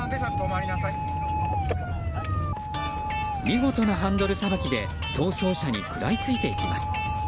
見事なハンドルさばきで逃走車に食らいついていきます。